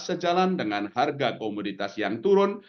sejalan dengan harga komoditas yang turun